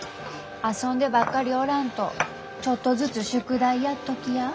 遊んでばっかりおらんとちょっとずつ宿題やっときや。